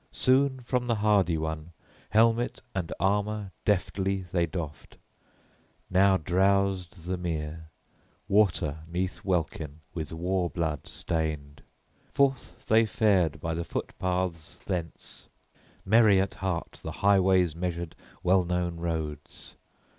Soon from the hardy one helmet and armor deftly they doffed: now drowsed the mere, water 'neath welkin, with war blood stained. Forth they fared by the footpaths thence, merry at heart the highways measured, well known roads.